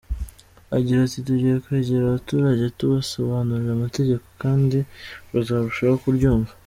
Agira ati “Tugiye kwegera abaturage tubasobanurire amategeko kandi bazarushaho kuryumva.